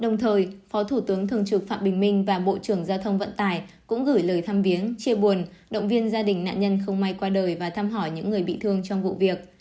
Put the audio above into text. đồng thời phó thủ tướng thường trực phạm bình minh và bộ trưởng giao thông vận tải cũng gửi lời thăm viếng chia buồn động viên gia đình nạn nhân không may qua đời và thăm hỏi những người bị thương trong vụ việc